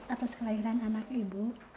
atas kelahiran anak anak